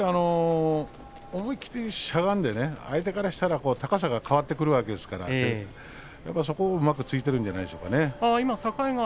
思い切ってしゃがんで相手からしｔら高さが変わってくるわけですからそこをうまくついているんじゃないでしょうか。